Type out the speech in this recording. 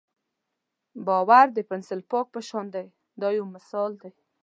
باور د پنسل پاک په شان دی دا یو مثال دی.